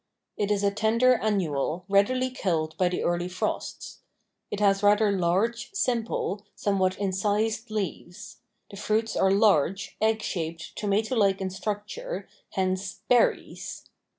It is a tender annual, readily killed by the early frosts. It has rather large, simple, somewhat incised leaves. The fruits are large, egg shaped, tomato like in structure, hence berries.